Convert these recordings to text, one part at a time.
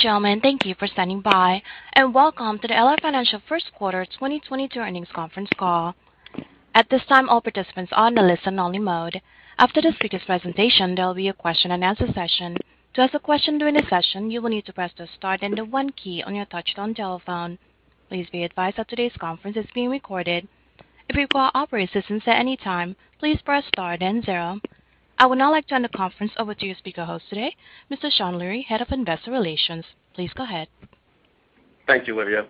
Gentlemen, thank you for standing by, and welcome to the Ally Financial First Quarter 2022 Earnings Conference Call. At this time, all participants are on a listen only mode. After the speaker's presentation, there will be a question-and-answer session. To ask a question during the session, you will need to press star then the one key on your touchtone telephone. Please be advised that today's conference is being recorded. If you require operator assistance at any time, please press star then 0. I would now like to hand the conference over to your speaker host today, Mr. Sean Leary, Head of Investor Relations. Please go ahead. Thank you, Olivia.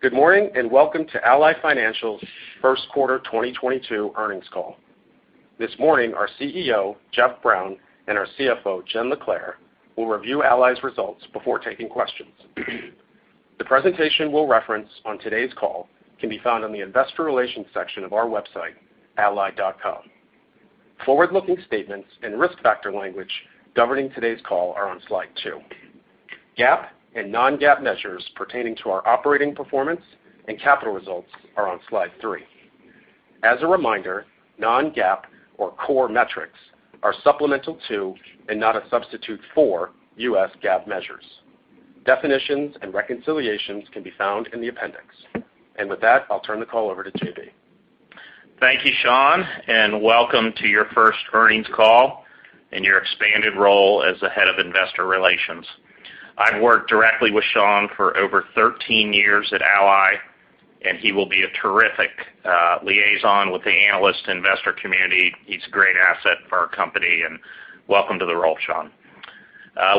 Good morning, and welcome to Ally Financial's First Quarter 2022 earnings call. This morning, our CEO, Jeff Brown, and our CFO, Jen LaClair, will review Ally's results before taking questions. The presentation we'll reference on today's call can be found on the Investor Relations section of our website, ally.com. Forward-looking statements and risk factor language governing today's call are on slide two. GAAP and non-GAAP measures pertaining to our operating performance and capital results are on slide three. As a reminder, non-GAAP, or core metrics are supplemental to, and not a substitute for U.S. GAAP measures. Definitions and reconciliations can be found in the appendix. With that, I'll turn the call over to JB. Thank you, Sean, and welcome to your first earnings call in your expanded role as the Head of Investor Relations. I've worked directly with Sean for over 13 years at Ally, and he will be a terrific liaison with the analyst investor community. He's a great asset for our company, and welcome to the role, Sean.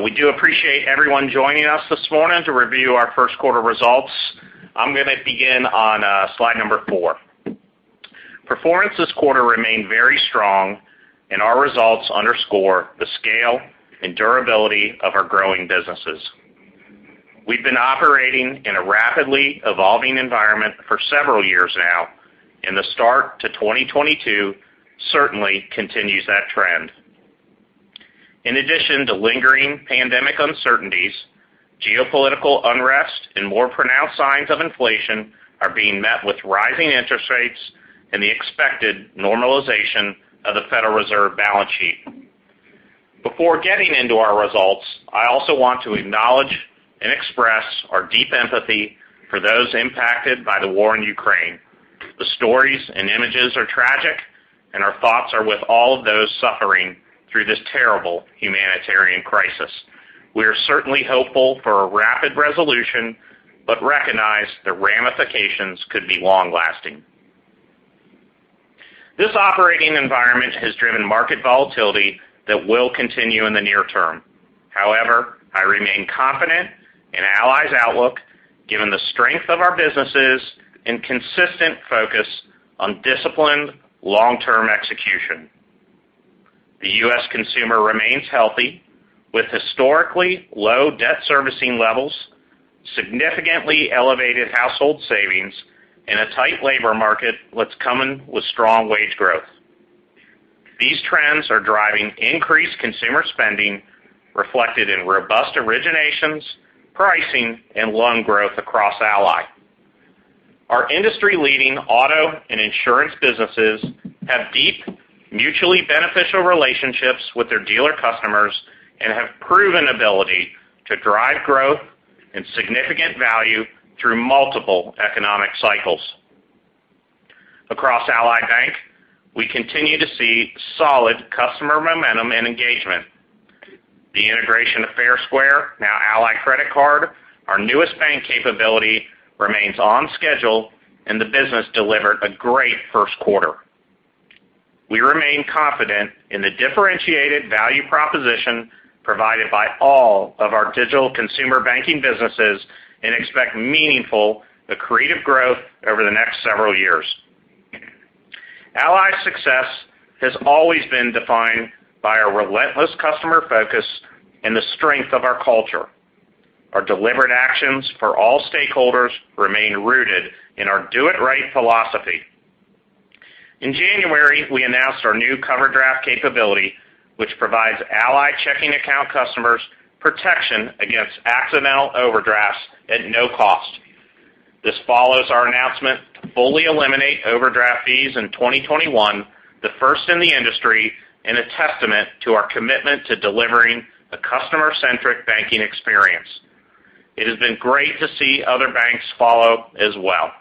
We do appreciate everyone joining us this morning to review our first quarter results. I'm gonna begin on slide number four. Performance this quarter remained very strong, and our results underscore the scale and durability of our growing businesses. We've been operating in a rapidly evolving environment for several years now, and the start to 2022 certainly continues that trend. In addition to lingering pandemic uncertainties, geopolitical unrest and more pronounced signs of inflation are being met with rising interest rates, and the expected normalization of the Federal Reserve balance sheet. Before getting into our results, I also want to acknowledge and express our deep empathy for those impacted by the war in Ukraine. The stories and images are tragic, and our thoughts are with all of those suffering through this terrible humanitarian crisis. We are certainly hopeful for a rapid resolution, but recognize the ramifications could be long lasting. This operating environment has driven market volatility that will continue in the near term. However, I remain confident in Ally's outlook, given the strength of our businesses and consistent focus on disciplined long-term execution. The U.S. consumer remains healthy, with historically low debt servicing levels, significantly elevated household savings, and a tight labor market that's coming with strong wage growth. These trends are driving increased consumer spending, reflected in robust originations, pricing, and loan growth across Ally. Our industry-leading auto and insurance businesses have deep, mutually beneficial relationships with their dealer customers and have proven ability to drive growth and significant value through multiple economic cycles. Across Ally Bank, we continue to see solid customer momentum and engagement. The integration of Fair Square, now Ally Credit Card, our newest bank capability, remains on schedule and the business delivered a great first quarter. We remain confident in the differentiated value proposition provided by all of our digital consumer banking businesses and expect meaningful accretive growth over the next several years. Ally's success has always been defined by our relentless customer focus and the strength of our culture. Our deliberate actions for all stakeholders remain rooted in our "Do It Right" philosophy. In January, we announced our new CoverDraft capability, which provides Ally checking account customers protection against accidental overdrafts at no cost. This follows our announcement to fully eliminate overdraft fees in 2021, the first in the industry, and a testament to our commitment to delivering a customer-centric banking experience. It has been great to see other banks follow as well.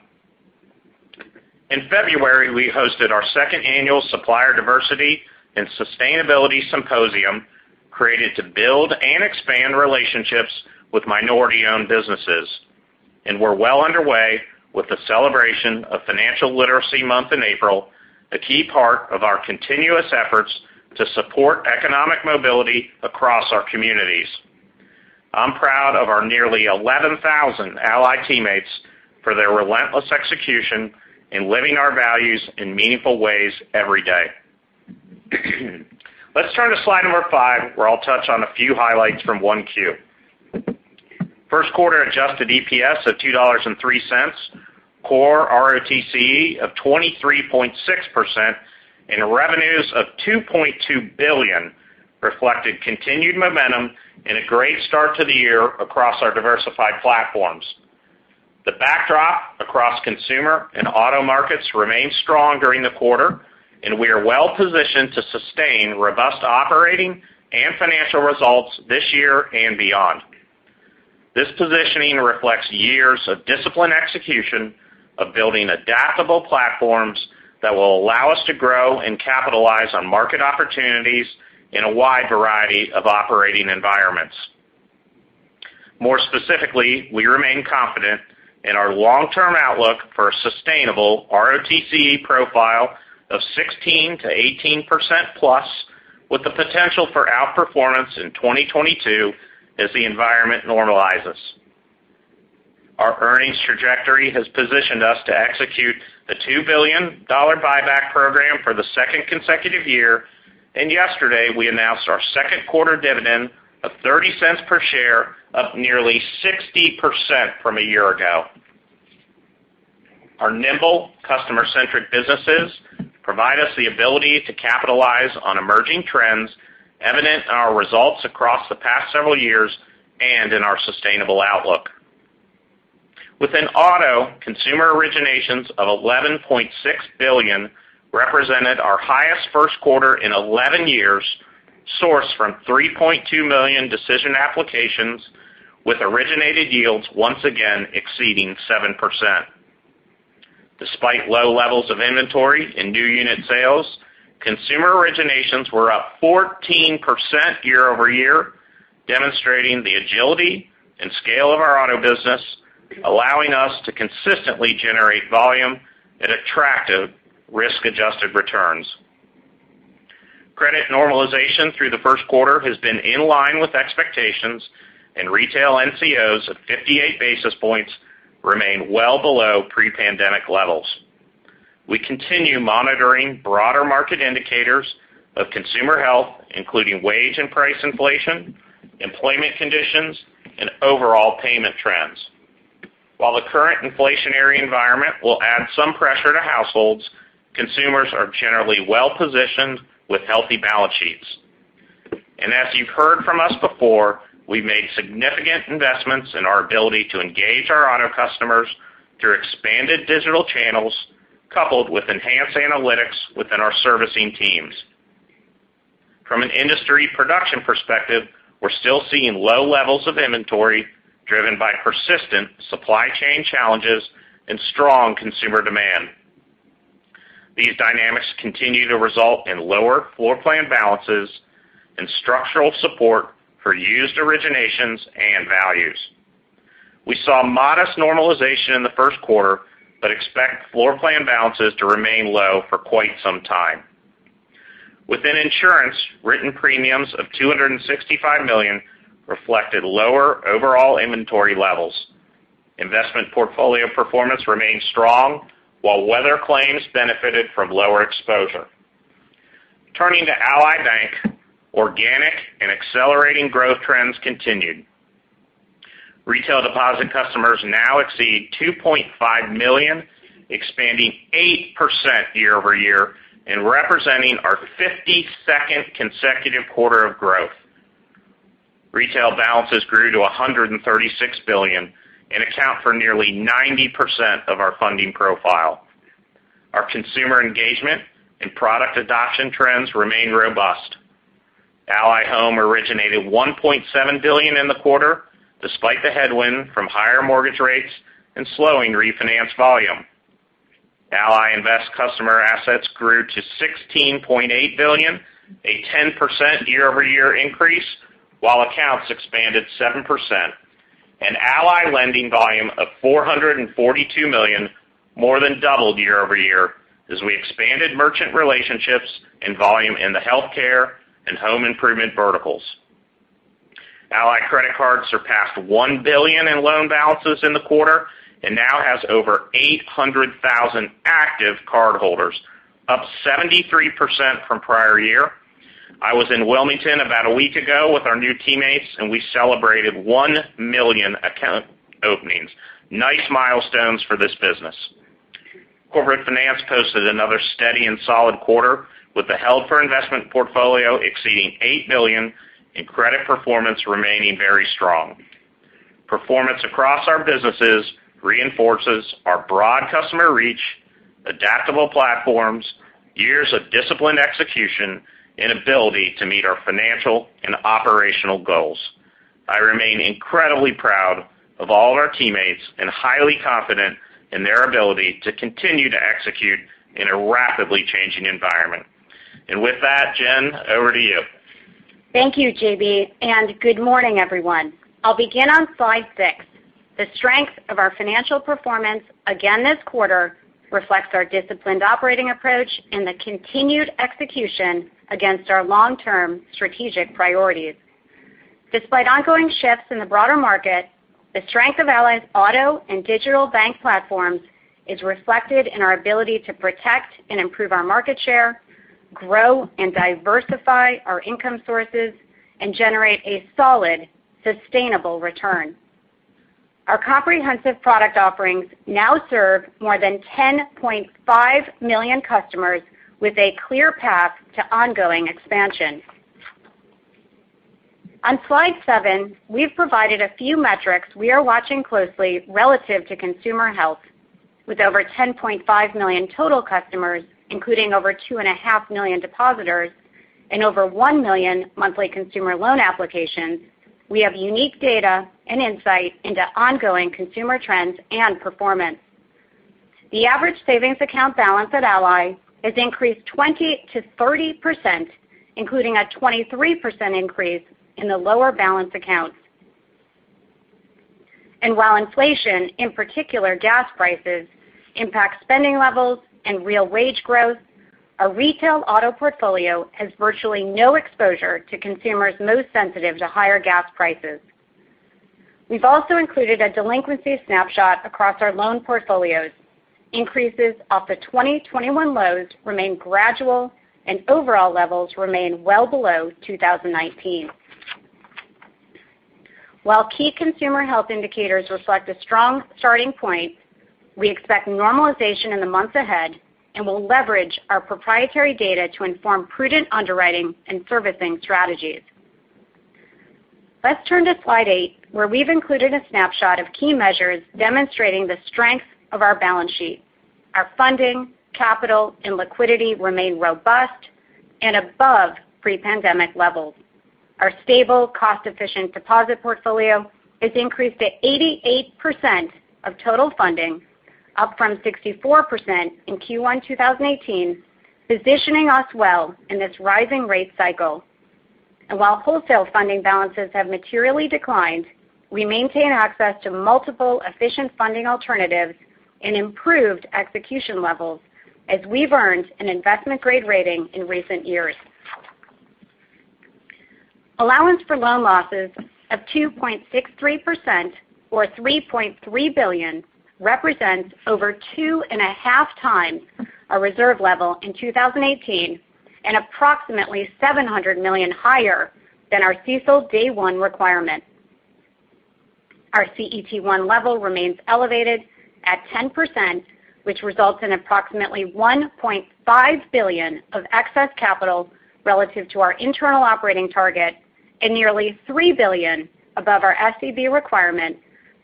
In February, we hosted our 2nd annual Supplier Diversity & Sustainability Symposium, created to build and expand relationships with minority-owned businesses. We're well underway with the celebration of Financial Literacy Month in April, a key part of our continuous efforts to support economic mobility across our communities. I'm proud of our nearly 11,000 Ally teammates for their relentless execution in living our values in meaningful ways every day. Let's turn to slide number five, where I'll touch on a few highlights from Q1. First-quarter adjusted EPS of $2.03, core ROTCE of 23.6%, and revenues of $2.2 billion reflected continued momentum and a great start to the year across our diversified platforms. The backdrop across consumer and auto markets remained strong during the quarter, and we are well-positioned to sustain robust operating and financial results this year and beyond. This positioning reflects years of disciplined execution of building adaptable platforms that will allow us to grow and capitalize on market opportunities in a wide variety of operating environments. More specifically, we remain confident in our long-term outlook for a sustainable ROTCE profile of 16%-18%+, with the potential for outperformance in 2022 as the environment normalizes. Our earnings trajectory has positioned us to execute the $2 billion buyback program for the second consecutive year. Yesterday, we announced our second quarter dividend of $0.30 per share, up nearly 60% from a year ago. Our nimble customer-centric businesses provide us the ability to capitalize on emerging trends evident in our results across the past several years and in our sustainable outlook. Within auto, consumer originations of $11.6 billion represented our highest first quarter in 11 years, sourced from 3.2 million decision applications, with originated yields once again exceeding 7%. Despite low levels of inventory in new unit sales, consumer originations were up 14% year-over-year, demonstrating the agility and scale of our auto business, allowing us to consistently generate volume at attractive risk-adjusted returns. Credit normalization through the first quarter has been in line with expectations and retail NCOs of 58 basis points remain well below pre-pandemic levels. We continue monitoring broader market indicators of consumer health, including wage and price inflation, employment conditions, and overall payment trends. While the current inflationary environment will add some pressure to households, consumers are generally well-positioned with healthy balance sheets. As you've heard from us before, we've made significant investments in our ability to engage our auto customers through expanded digital channels, coupled with enhanced analytics within our servicing teams. From an industry production perspective, we're still seeing low levels of inventory driven by persistent supply chain challenges and strong consumer demand. These dynamics continue to result in lower floor plan balances, and structural support for used originations and values. We saw modest normalization in the first quarter, but expect floor plan balances to remain low for quite some time. Within insurance, written premiums of $265 million reflected lower overall inventory levels. Investment portfolio performance remained strong, while weather claims benefited from lower exposure. Turning to Ally Bank, organic and accelerating growth trends continued. Retail deposit customers now exceed $2.5 million, expanding 8% year-over-year and representing our 52nd consecutive quarter of growth. Retail balances grew to $136 billion and account for nearly 90% of our funding profile. Our consumer engagement and product adoption trends remain robust. Ally Home originated $1.7 billion in the quarter, despite the headwind from higher mortgage rates and slowing refinance volume. Ally Invest customer assets grew to $16.8 billion, a 10% year-over-year increase, while accounts expanded 7%. Ally Lending volume of $442 million more than doubled year-over-year as we expanded merchant relationships, and volume in the healthcare and home improvement verticals. Ally Credit Card surpassed $1 billion in loan balances in the quarter and now has over 800,000 active cardholders, up 73% from prior year. I was in Wilmington about a week ago with our new teammates, and we celebrated 1 million account openings. Nice milestones for this business. Corporate Finance posted another steady and solid quarter, with the held-for-investment portfolio exceeding $8 billion and credit performance remaining very strong. Performance across our businesses reinforces our broad customer reach, adaptable platforms, years of disciplined execution, and ability to meet our financial and operational goals. I remain incredibly proud of all of our teammates and highly confident in their ability to continue to execute in a rapidly changing environment. With that, Jen, over to you. Thank you, JB, and good morning, everyone. I'll begin on slide six. The strength of our financial performance again this quarter reflects our disciplined operating approach, and the continued execution against our long-term strategic priorities. Despite ongoing shifts in the broader market, the strength of Ally's Auto and Digital Bank platforms is reflected in our ability to protect and improve our market share, grow and diversify our income sources, and generate a solid, sustainable return. Our comprehensive product offerings now serve more than 10.5 million customers with a clear path to ongoing expansion. On slide seven, we've provided a few metrics we are watching closely relative to consumer health. With over 10.5 million total customers, including over 2.5 million depositors and over 1 million monthly consumer loan applications, we have unique data and insight into ongoing consumer trends and performance. The average savings account balance at Ally has increased 20%-30%, including a 23% increase in the lower balance accounts. While inflation, in particular gas prices, impacts spending levels and real wage growth, our retail auto portfolio has virtually no exposure to consumers most sensitive to higher gas prices. We've also included a delinquency snapshot across our loan portfolios. Increases off the 2021 lows remain gradual and overall levels remain well below 2019. While key consumer health indicators reflect a strong starting point, we expect normalization in the months ahead and will leverage our proprietary data to inform prudent underwriting and servicing strategies. Let's turn to slide eight, where we've included a snapshot of key measures demonstrating the strength of our balance sheet. Our funding, capital, and liquidity remain robust and above pre-pandemic levels. Our stable, cost-efficient deposit portfolio has increased to 88% of total funding, up from 64% in Q1 2018, positioning us well in this rising rate cycle. While wholesale funding balances have materially declined, we maintain access to multiple efficient funding alternatives, and improved execution levels as we've earned an investment-grade rating in recent years. Allowance for loan losses of 2.63%, or $3.3 billion represents over 2.5 times our reserve level in 2018 and approximately $700 million higher than our CECL day one requirement. Our CET1 level remains elevated at 10%, which results in approximately $1.5 billion of excess capital relative to our internal operating target, and nearly $3 billion above our SCB requirement,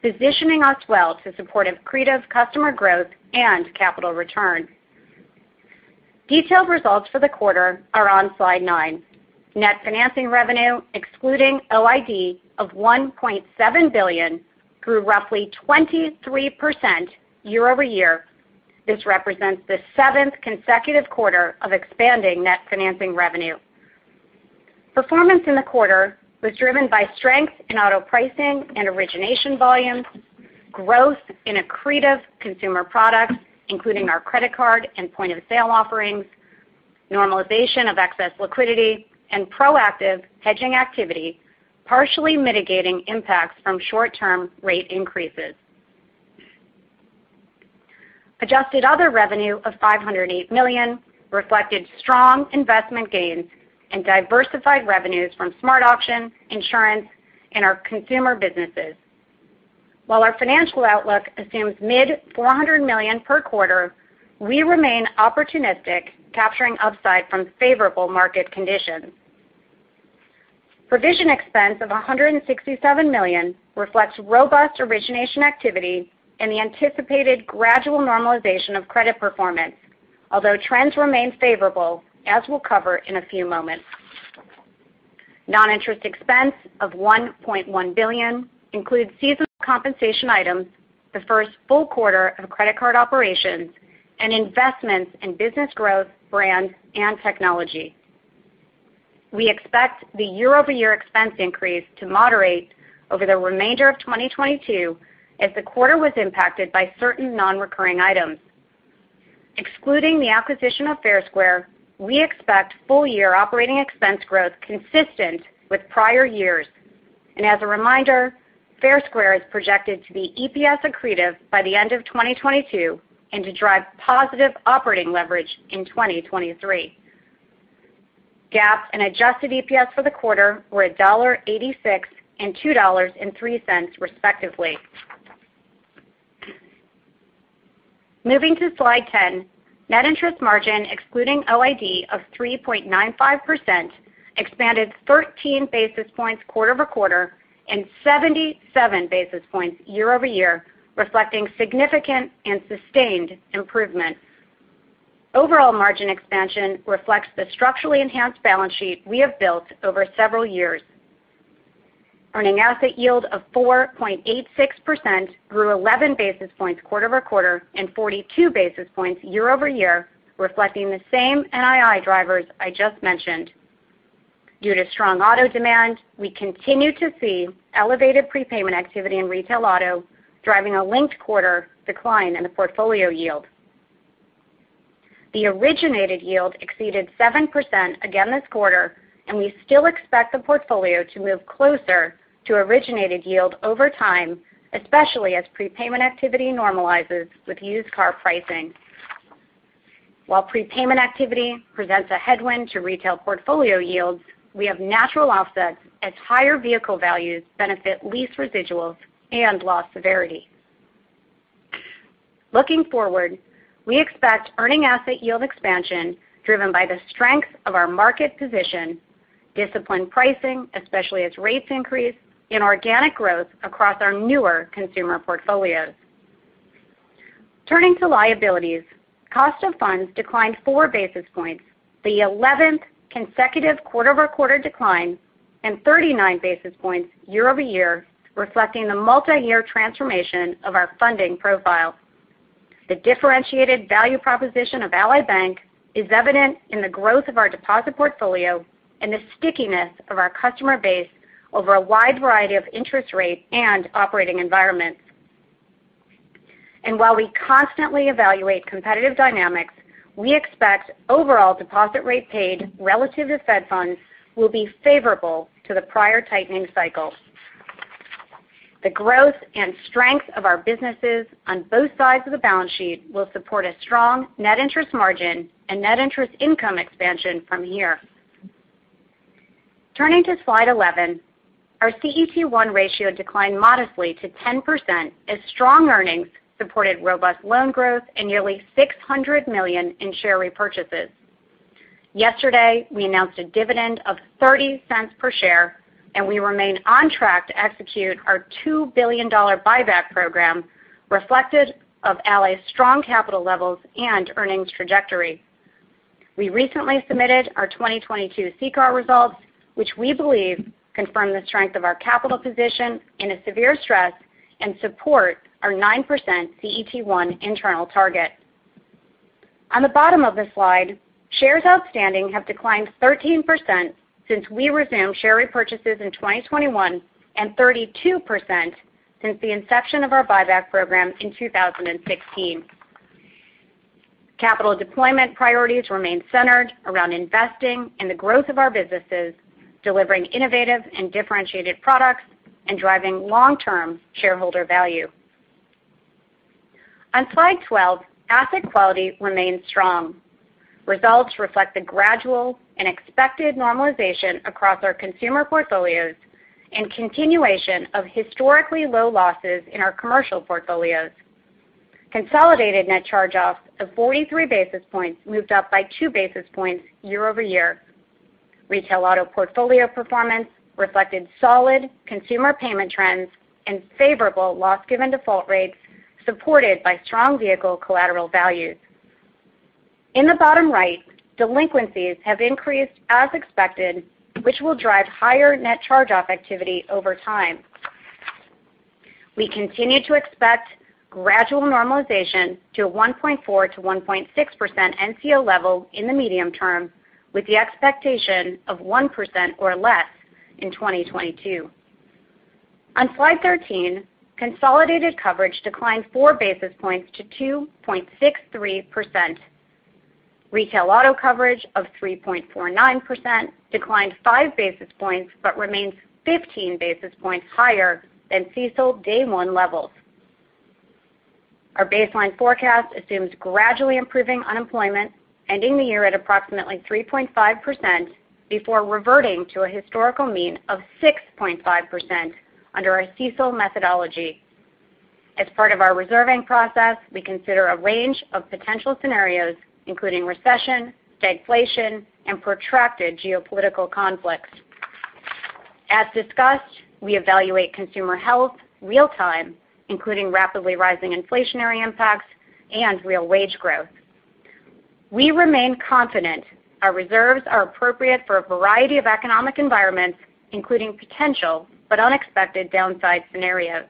positioning us well to support accretive customer growth and capital return. Detailed results for the quarter are on slide nine. Net financing revenue excluding OID of $1.7 billion, grew roughly 23% year-over-year. This represents the 7th consecutive quarter of expanding net financing revenue. Performance in the quarter was driven by strength in auto pricing and origination volumes, growth in accretive consumer products, including our credit card and point-of-sale offerings, normalization of excess liquidity, and proactive hedging activity, partially mitigating impacts from short-term rate increases. Adjusted other revenue of $508 million reflected strong investment gains, and diversified revenues from SmartAuction, insurance, and our consumer businesses. While our financial outlook assumes mid-$400 million per quarter, we remain opportunistic, capturing upside from favorable market conditions. Provision expense of $167 million reflects robust origination activity, and the anticipated gradual normalization of credit performance, although trends remain favorable, as we'll cover in a few moments. Non-interest expense of $1.1 billion includes seasonal compensation items, the first full-quarter of credit card operations, and investments in business growth, brand, and technology. We expect the year-over-year expense increase to moderate over the remainder of 2022 as the quarter was impacted by certain non-recurring items. Excluding the acquisition of Fair Square, we expect full-year operating expense growth consistent with prior years. As a reminder, Fair Square is projected to be EPS accretive by the end of 2022, and to drive positive operating leverage in 2023. GAAP and adjusted EPS for the quarter were $1.86 and $2.03 respectively. Moving to slide 10, net interest margin excluding OID of 3.95% expanded 13 basis points quarter-over-quarter and 77 basis points year-over-year, reflecting significant and sustained improvement. Overall margin expansion reflects the structurally enhanced balance sheet we have built over several years. Earning asset yield of 4.86%, grew 11 basis points quarter-over-quarter and 42 basis points year-over-year, reflecting the same NII drivers I just mentioned. Due to strong auto demand, we continue to see elevated prepayment activity in retail auto, driving a linked quarter decline in the portfolio yield. The originated yield exceeded 7% again this quarter, and we still expect the portfolio to move closer to originated yield over time, especially as prepayment activity normalizes with used car pricing. While prepayment activity presents a headwind to retail portfolio yields, we have natural offsets as higher vehicle values benefit lease residuals and loss severity. Looking forward, we expect earning asset yield expansion driven by the strength of our market position, disciplined pricing, especially as rates increase, and organic growth across our newer consumer portfolios. Turning to liabilities, cost of funds declined 4 basis points, the 11th consecutive quarter-over-quarter decline and 39 basis points year-over-year, reflecting the multi-year transformation of our funding profile. The differentiated value proposition of Ally Bank is evident in the growth of our deposit portfolio and the stickiness of our customer base over a wide variety of interest rate and operating environments. While we constantly evaluate competitive dynamics, we expect overall deposit rate paid relative to Fed funds will be favorable to the prior tightening cycle. The growth and strength of our businesses on both sides of the balance sheet, will support a strong net interest margin and net interest income expansion from here. Turning to slide 11, our CET1 ratio declined modestly to 10% as strong earnings supported robust loan growth and nearly $600 million in share repurchases. Yesterday, we announced a dividend of $0.30 per share, and we remain on track to execute our $2 billion buyback program, reflective of Ally's strong capital levels and earnings trajectory. We recently submitted our 2022 CCAR results, which we believe confirm the strength of our capital position in a severe stress and support our 9% CET1 internal target. On the bottom of the slide, shares outstanding have declined 13% since we resumed share repurchases in 2021, and 32% since the inception of our buyback program in 2016. Capital deployment priorities remain centered around investing in the growth of our businesses, delivering innovative and differentiated products, and driving long-term shareholder value. On slide 12, asset quality remains strong. Results reflect the gradual, and expected normalization across our consumer portfolios and continuation of historically low losses in our commercial portfolios. Consolidated net charge-offs of 43 basis points moved up by 2 basis points year-over-year. Retail auto portfolio performance reflected solid consumer payment trends, and favorable loss-given default rates supported by strong vehicle collateral values. In the bottom right, delinquencies have increased as expected, which will drive higher net charge-off activity over time. We continue to expect gradual normalization to 1.4%-1.6% NCO level in the medium term, with the expectation of 1% or less in 2022. On slide 13, consolidated coverage declined 4 basis points to 2.63%. Retail auto coverage of 3.49% declined 5 basis points but remains 15 basis points higher than CECL day one levels. Our baseline forecast assumes gradually improving unemployment, ending the year at approximately 3.5% before reverting to a historical mean of 6.5% under our CECL methodology. As part of our reserving process, we consider a range of potential scenarios, including recession, stagflation, and protracted geopolitical conflicts. As discussed, we evaluate consumer health real-time, including rapidly rising inflationary impacts and real wage growth. We remain confident our reserves are appropriate for a variety of economic environments, including potential but unexpected downside scenarios.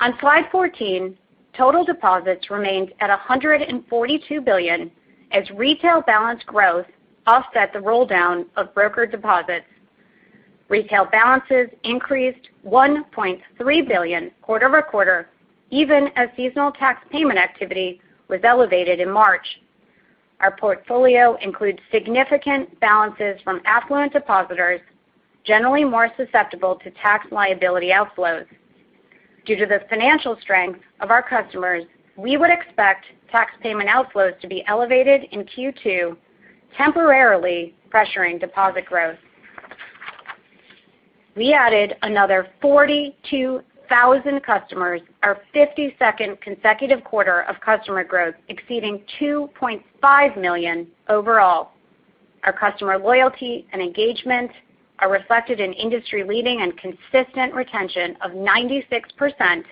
On slide 14, total deposits remained at $142 billion as retail balance growth offset the rolldown of broker deposits. Retail balances increased $1.3 billion quarter-over-quarter, even as seasonal tax payment activity was elevated in March. Our portfolio includes significant balances from affluent depositors, generally more susceptible to tax liability outflows. Due to the financial strength of our customers, we would expect tax payment outflows to be elevated in Q2, temporarily pressuring deposit growth. We added another 42,000 customers, our 52nd consecutive quarter of customer growth exceeding 2.5 million overall. Our customer loyalty and engagement are reflected in industry-leading and consistent retention of 96%,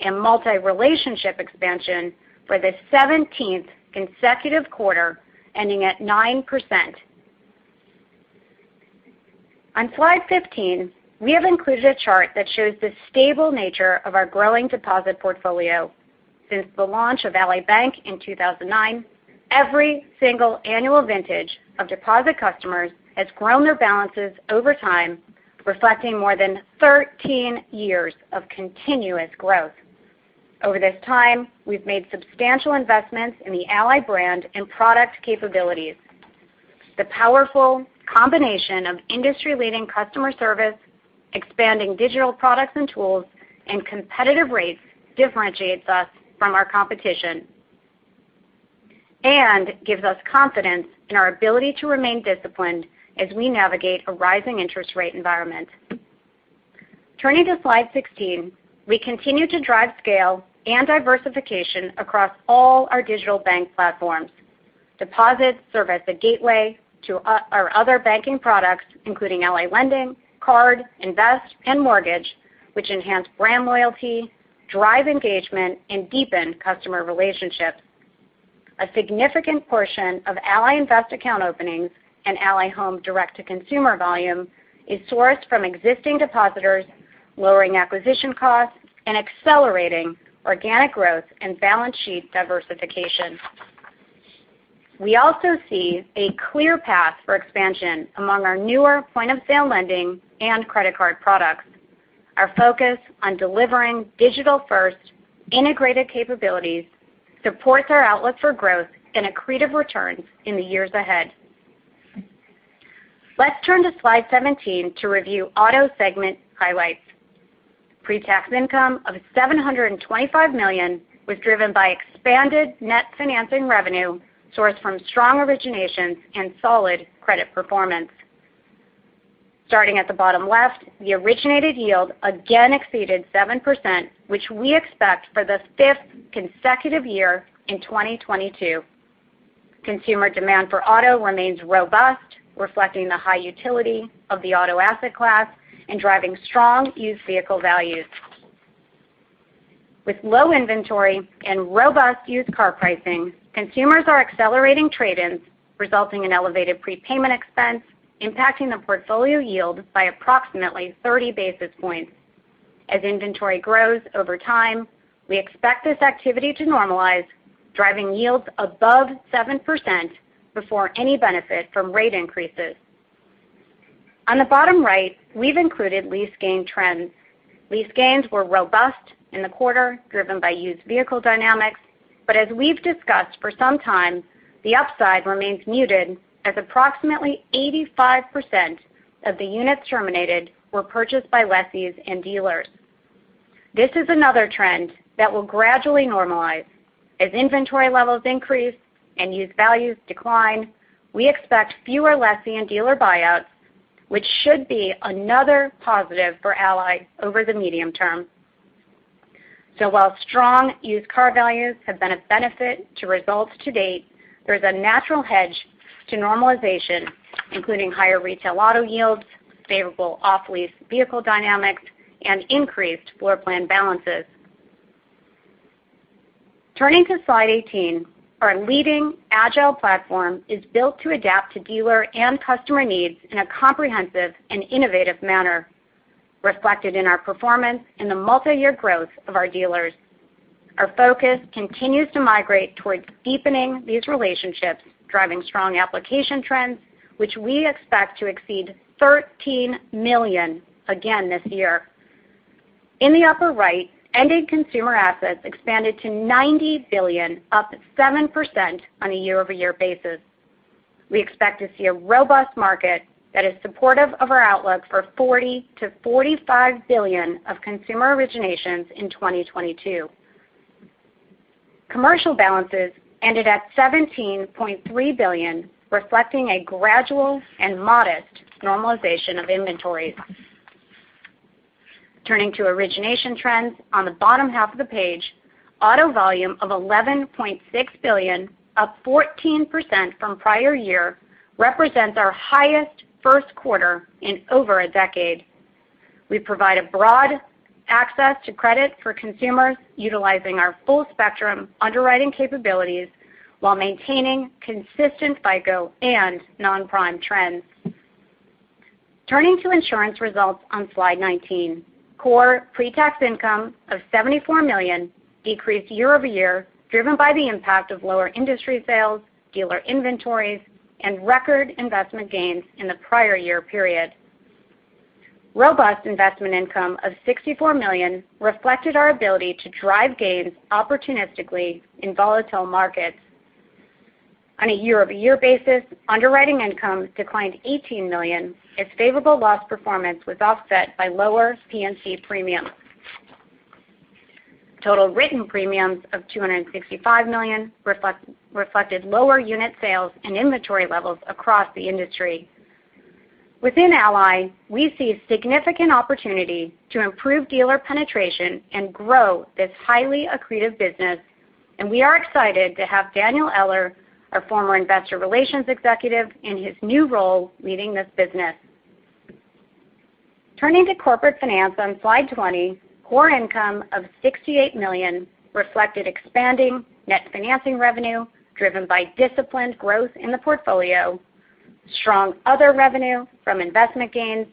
and multi-relationship expansion for the 17th consecutive quarter, ending at 9%. On slide 15, we have included a chart that shows the stable nature of our growing deposit portfolio. Since the launch of Ally Bank in 2009, every single annual vintage of deposit customers has grown their balances over time, reflecting more than 13 years of continuous growth. Over this time, we've made substantial investments in the Ally brand and product capabilities. The powerful combination of industry-leading customer service, expanding digital products and tools, and competitive rates differentiates us from our competition. Gives us confidence in our ability to remain disciplined as we navigate a rising interest rate environment. Turning to slide 16, we continue to drive scale and diversification across all our digital bank platforms. Deposits serve as the gateway to our other banking products, including Ally Lending, Ally Credit Card, Ally Invest, and Ally Home, which enhance brand loyalty, drive engagement, and deepen customer relationships. A significant portion of Ally Invest account openings and Ally Home direct-to-consumer volume is sourced from existing depositors, lowering acquisition costs and accelerating organic growth and balance sheet diversification. We also see a clear path for expansion among our newer point-of-sale lending and credit card products. Our focus on delivering digital-first integrated capabilities supports our outlook for growth and accretive returns in the years ahead. Let's turn to slide 17 to review Auto segment highlights. Pre-tax income of $725 million was driven by expanded net financing revenue sourced from strong originations and solid credit performance. Starting at the bottom left, the originated yield again exceeded 7%, which we expect for the 5th consecutive year in 2022. Consumer demand for auto remains robust, reflecting the high utility of the auto asset class and driving strong used vehicle values. With low inventory and robust used car pricing, consumers are accelerating trade-ins, resulting in elevated prepayment expense, impacting the portfolio yield by approximately 30 basis points. As inventory grows over time, we expect this activity to normalize, driving yields above 7% before any benefit from rate increases. On the bottom right, we've included lease gain trends. Lease gains were robust in the quarter, driven by used vehicle dynamics. As we've discussed for some time, the upside remains muted as approximately 85% of the units terminated were purchased by lessees and dealers. This is another trend that will gradually normalize. As inventory levels increase and used values decline, we expect fewer lessee and dealer buyouts, which should be another positive for Ally over the medium term. While strong used car values have been a benefit to results to date, there's a natural hedge to normalization, including higher retail auto yields, favorable off-lease vehicle dynamics, and increased floorplan balances. Turning to slide 18. Our leading agile platform is built to adapt to dealer and customer needs in a comprehensive and innovative manner, reflected in our performance and the multiyear growth of our dealers. Our focus continues to migrate towards deepening these relationships, driving strong application trends, which we expect to exceed 13 million again this year. In the upper right, ending consumer assets expanded to $90 billion, up 7% on a year-over-year basis. We expect to see a robust market that is supportive of our outlook for $40 billion-$45 billion of consumer originations in 2022. Commercial balances ended at $17.3 billion, reflecting a gradual and modest normalization of inventories. Turning to origination trends on the bottom half of the page. Auto volume of $11.6 billion, up 14% from prior year, represents our highest first quarter in over a decade. We provide a broad access to credit for consumers utilizing our full-spectrum underwriting capabilities while maintaining consistent FICO and non-prime trends. Turning to insurance results on slide 19. Core pre-tax income of $74 million decreased year-over-year, driven by the impact of lower industry sales, dealer inventories, and record investment gains in the prior year period. Robust investment income of $64 million reflected our ability to drive gains opportunistically in volatile markets. On a year-over-year basis, underwriting income declined $18 million as favorable loss performance was offset by lower P&C premiums. Total written premiums of $265 million reflected lower unit sales and inventory levels across the industry. Within Ally, we see significant opportunity to improve dealer penetration and grow this highly accretive business, and we are excited to have Daniel Eller, our former investor relations executive, in his new role leading this business. Turning to Corporate Finance on slide 20. Core income of $68 million reflected expanding net financing revenue driven by disciplined growth in the portfolio, strong other revenue from investment gains,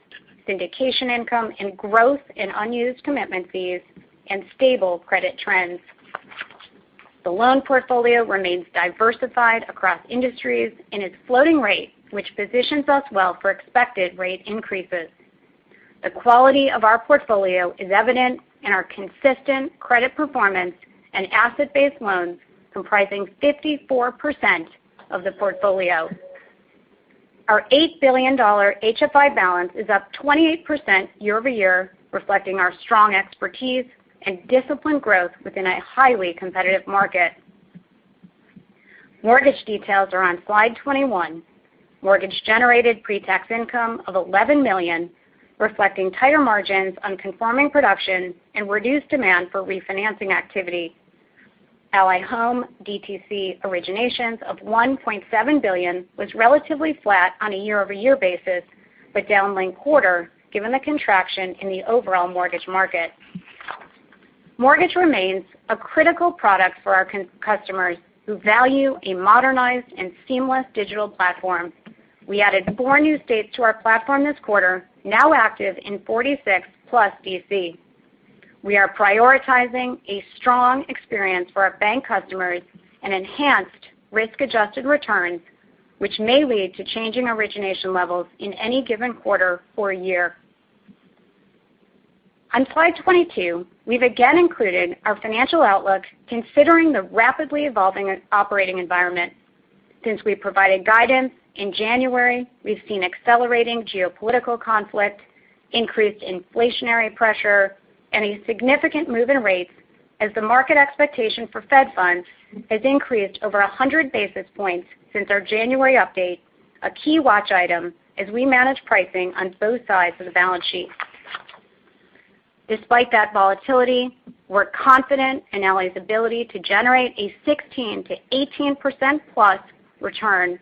syndication income, and growth in unused commitment fees and stable credit trends. The loan portfolio remains diversified across industries and is floating rate, which positions us well for expected rate increases. The quality of our portfolio is evident in our consistent credit performance and asset-based loans comprising 54% of the portfolio. Our $8 billion HFI balance is up 28% year-over-year, reflecting our strong expertise and disciplined growth within a highly competitive market. Mortgage details are on slide 21. Mortgage-generated pre-tax income of $11 million, reflecting tighter margins on conforming production and reduced demand for refinancing activity. Ally Home DTC originations of $1.7 billion was relatively flat on a year-over-year basis, but down linked quarter given the contraction in the overall mortgage market. Mortgage remains a critical product for our customers who value a modernized and seamless digital platform. We added four new states to our platform this quarter, now active in 46+ D.C. We are prioritizing a strong experience for our bank customers and enhanced risk-adjusted returns, which may lead to changing origination levels in any given quarter or year. On slide 22, we've again included our financial outlook considering the rapidly evolving operating environment. Since we provided guidance in January, we've seen accelerating geopolitical conflict, increased inflationary pressure, and a significant move in rates as the market expectation for Fed funds has increased over 100 basis points since our January update, a key watch item as we manage pricing on both sides of the balance sheet. Despite that volatility, we're confident in Ally's ability to generate a 16%-18%+ return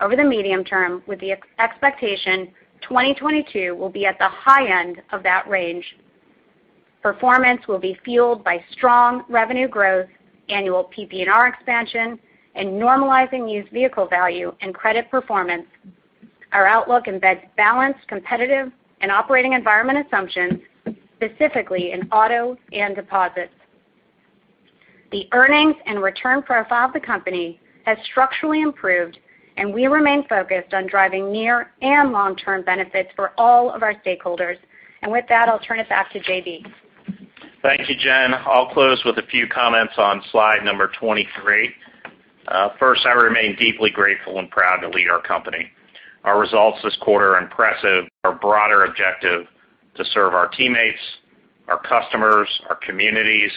over the medium term, with the expectation 2022 will be at the high end of that range. Performance will be fueled by strong revenue growth, annual PPNR expansion, and normalizing used vehicle value and credit performance. Our outlook embeds balanced, competitive, and operating environment assumptions, specifically in autos and deposits. The earnings and return profile of the company has structurally improved, and we remain focused on driving near and long-term benefits for all of our stakeholders. With that, I'll turn it back to JB. Thank you, Jen. I'll close with a few comments on slide number 23. First, I remain deeply grateful and proud to lead our company. Our results this quarter are impressive. Our broader objective to serve our teammates, our customers, our communities,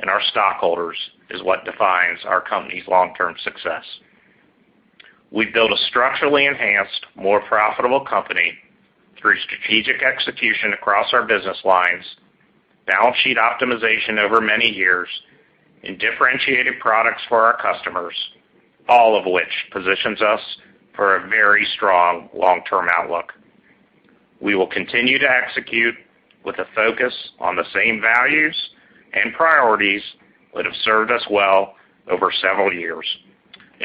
and our stockholders is what defines our company's long-term success. We've built a structurally enhanced, more profitable company through strategic execution across our business lines, balance sheet optimization over many years, and differentiated products for our customers, all of which positions us for a very strong long-term outlook. We will continue to execute with a focus on the same values and priorities that have served us well over several years.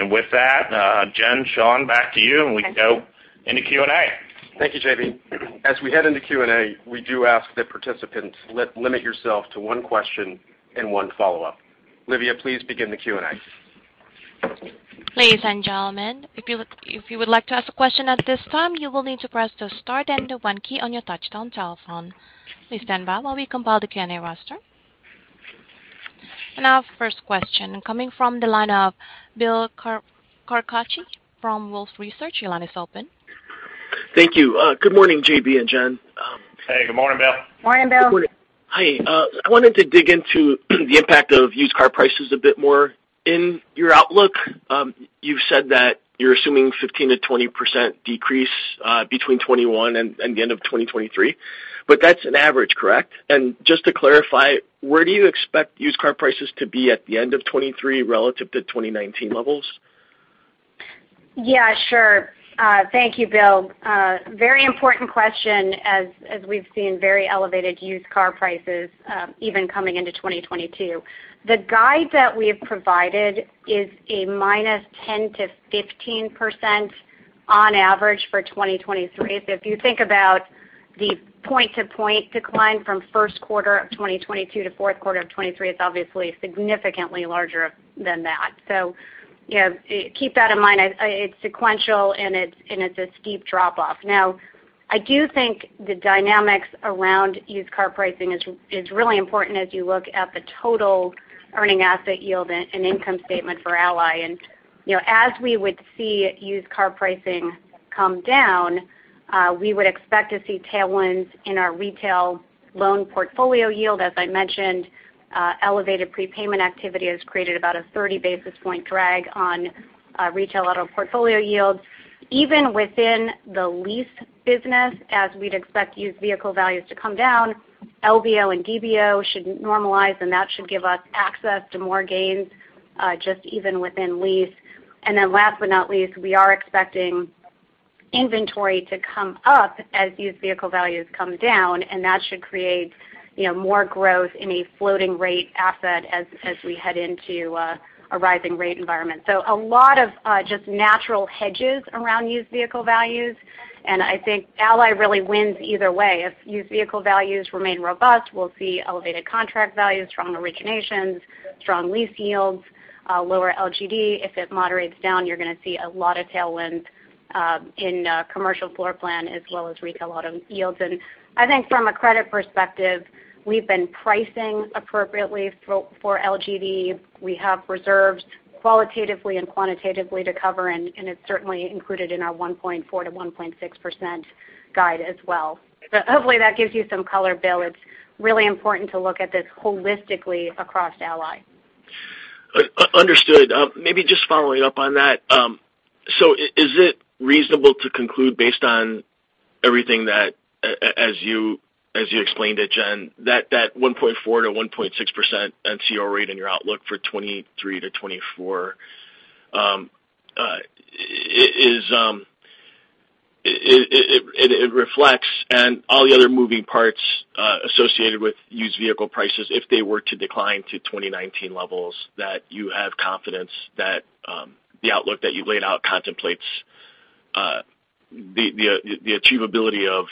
With that, Jen, Sean, back to you, and we can go into Q&A. Thank you, JB. As we head into Q&A, we do ask that participants limit yourself to one question and one follow-up. Olivia, please begin the Q&A. Ladies and gentlemen, if you would like to ask a question at this time, you will need to press the star then the one key on your touchtone telephone. Please stand by while we compile the Q&A roster. Our first question coming from the line of Bill Carcache from Wolfe Research. Your line is open. Thank you. Good morning, JB and Jen. Hey, good morning, Bill. Morning, Bill. Morning. Hi. I wanted to dig into the impact of used car prices a bit more. In your outlook, you've said that you're assuming 15%-20% decrease between 2021 and the end of 2023. That's an average, correct? Just to clarify, where do you expect used car prices to be at the end of 2023 relative to 2019 levels? Yeah, sure. Thank you, Bill. Very important question as we've seen very elevated used car prices, even coming into 2022. The guide that we have provided is a -10%-15% on average for 2023. If you think about the point-to-point decline from first quarter of 2022 to fourth quarter of 2023, it's obviously significantly larger than that. You know, keep that in mind. It's sequential, and it's a steep drop-off. Now, I do think the dynamics around used car pricing is really important as you look at the total earning asset yield and income statement for Ally. You know, as we would see used car pricing come down, we would expect to see tailwinds in our retail loan portfolio yield. As I mentioned, elevated prepayment activity has created about a 30 basis point drag on retail auto portfolio yields. Even within the lease business, as we'd expect used vehicle values to come down, LVO and DVO should normalize, and that should give us access to more gains just even within lease. Then last but not least, we are expecting inventory to come up as used vehicle values come down, and that should create, you know, more growth in a floating rate asset as we head into a rising rate environment. A lot of just natural hedges around used vehicle values. I think Ally really wins either way. If used vehicle values remain robust, we'll see elevated contract values, strong originations, strong lease yields, lower LGD. If it moderates down, you're gonna see a lot of tailwinds in commercial floor plan as well as retail auto yields. I think from a credit perspective, we've been pricing appropriately for LGD. We have reserves qualitatively and quantitatively to cover, and it's certainly included in our 1.4%-1.6% guide as well. Hopefully that gives you some color, Bill. It's really important to look at this holistically across Ally. Understood. Maybe just following up on that. Is it reasonable to conclude based on everything that as you explained it, Jen, that 1.4%-1.6% NCO rate in your outlook for 2023-2024 reflects all the other moving parts associated with used vehicle prices if they were to decline to 2019 levels, that you have confidence that the achievability of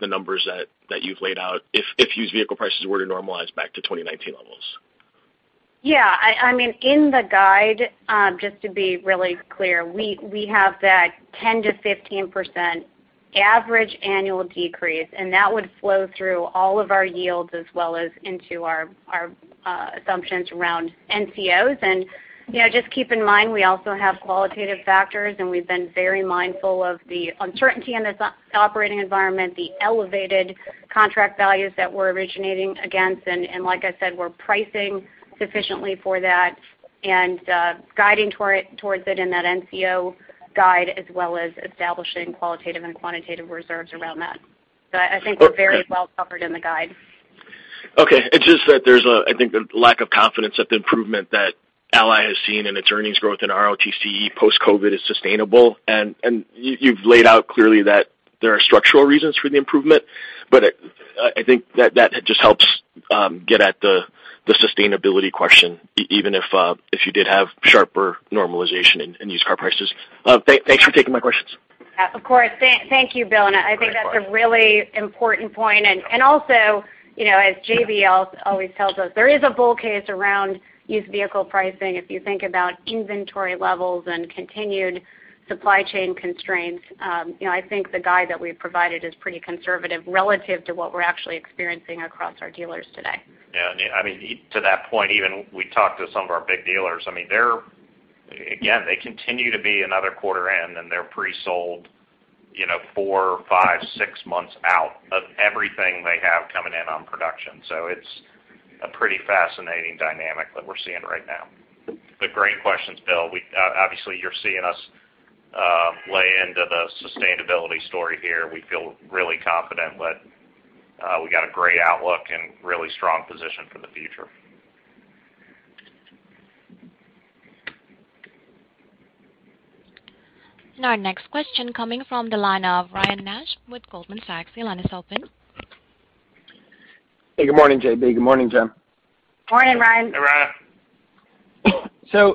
the numbers that you've laid out if used vehicle prices were to normalize back to 2019 levels? Yeah, I mean, in the guide, just to be really clear, we have that 10%-15% average annual decrease, and that would flow through all of our yields as well as into our assumptions around NCOs. You know, just keep in mind, we also have qualitative factors, and we've been very mindful of the uncertainty in this operating environment, the elevated contract values that we're originating against. Like I said, we're pricing sufficiently for that and guiding toward it in that NCO guide as well as establishing qualitative and quantitative reserves around that. I think we're very well covered in the guide. Okay. It's just that there's a lack of confidence that the improvement that Ally has seen in its earnings growth and ROTCE post-COVID is sustainable. You, you've laid out clearly that there are structural reasons for the improvement. I think that just helps get at the sustainability question even if you did have sharper normalization in used car prices. Thanks for taking my questions. Of course. Thank you, Bill. I think that's a really important point. Also, you know, as JB always tells us, there is a bull case around used vehicle pricing if you think about inventory levels and continued supply chain constraints. You know, I think the guide that we've provided is pretty conservative relative to what we're actually experiencing across our dealers today. Yeah. I mean, to that point, we even talked to some of our big dealers. I mean, they're again, they continue to be another quarter in, and they're pre-sold, you know, four, five, six months out of everything they have coming in on production. It's a pretty fascinating dynamic that we're seeing right now. Great questions, Bill. We obviously, you're seeing us lean into the sustainability story here. We feel really confident that we got a great outlook and really strong position for the future. Our next question coming from the line of Ryan Nash with Goldman Sachs. Your line is open. Hey, good morning, JB. Good morning, Jen. Morning, Ryan. Hey, Ryan.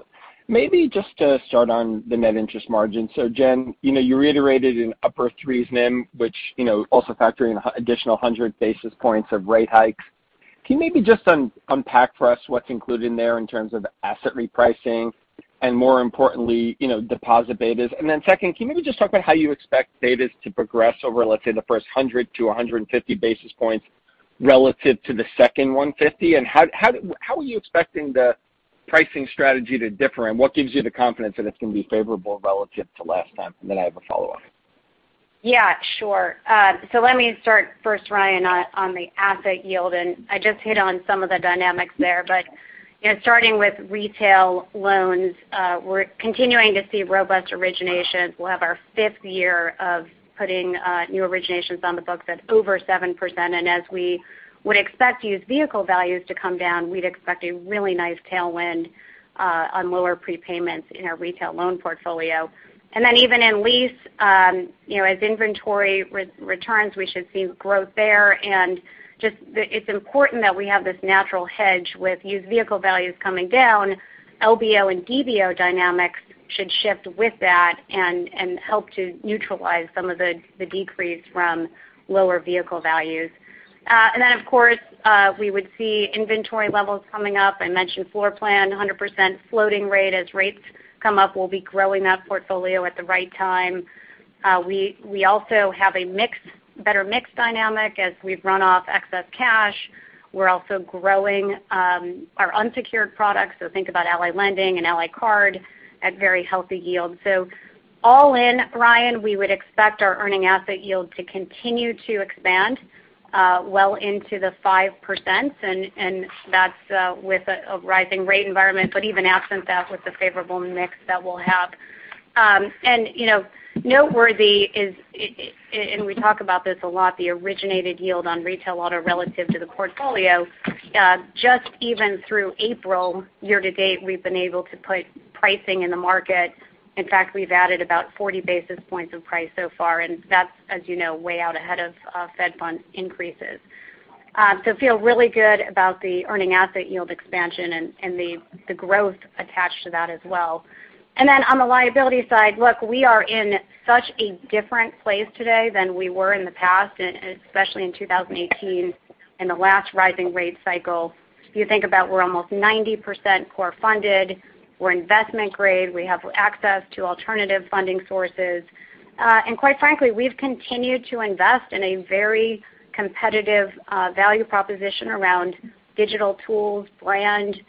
Maybe just to start on the net interest margin. Jen, you know, you reiterated an upper threes NIM, which, you know, also factoring additional 100 basis points of rate hikes. Can you maybe just unpack for us what's included in there in terms of asset repricing, and more importantly, you know, deposit betas? And then second, can you maybe just talk about how you expect betas to progress over, let's say, the first 100-150 basis points relative to the second 150? And how are you expecting the pricing strategy to differ, and what gives you the confidence that it's going to be favorable relative to last time? And then I have a follow-up. Yeah, sure. So let me start first, Ryan, on the asset yield, and I just hit on some of the dynamics there. You know, starting with retail loans, we're continuing to see robust originations. We'll have our fifth year of putting new originations on the books at over 7%. As we would expect used vehicle values to come down, we'd expect a really nice tailwind on lower prepayments in our retail loan portfolio. Then even in lease, you know, as inventory returns, we should see growth there. Just, it's important that we have this natural hedge with used vehicle values coming down. LBO and DBO dynamics should shift with that and help to neutralize some of the decrease from lower vehicle values. Then of course, we would see inventory levels coming up. I mentioned floor plan, 100% floating rate. As rates come up, we'll be growing that portfolio at the right time. We also have a mix, better mix dynamic as we've run off excess cash. We're also growing our unsecured products, so think about Ally Lending and Ally Credit Card at very healthy yields. All in, Ryan, we would expect our earning asset yield to continue to expand well into the 5%, and that's with a rising rate environment, but even absent that with the favorable mix that we'll have. You know, noteworthy is, and we talk about this a lot, the originated yield on retail auto relative to the portfolio. Just even through April year to date, we've been able to put pricing in the market. In fact, we've added about 40 basis points of price so far, and that's, as you know, way out ahead of Fed funds increases. Feel really good about the earning asset yield expansion and the growth attached to that as well. On the liability side, look, we are in such a different place today than we were in the past, and especially in 2018 and the last rising rate cycle. If you think about, we're almost 90% core funded. We're investment grade. We have access to alternative funding sources. Quite frankly, we've continued to invest in a very competitive value proposition around digital tools, brand,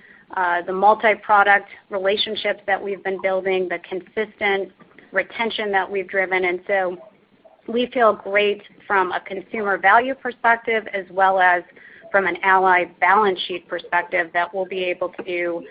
the multi-product relationships that we've been building, the consistent retention that we've driven. We feel great from a consumer value perspective as well as from an Ally balance sheet perspective that we'll be able to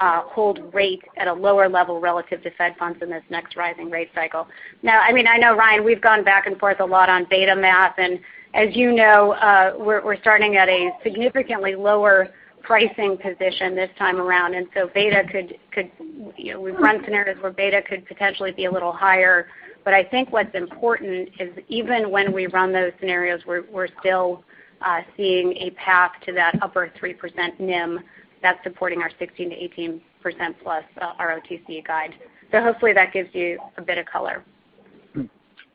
hold rates at a lower level relative to Fed funds in this next rising rate cycle. Now, I mean, I know, Ryan, we've gone back and forth a lot on beta math. As you know, we're starting at a significantly lower pricing position this time around. Beta could, you know, we've run scenarios where beta could potentially be a little higher. I think what's important is even when we run those scenarios, we're still seeing a path to that upper 3% NIM that's supporting our 16%-18%+ ROTCE guide. Hopefully that gives you a bit of color.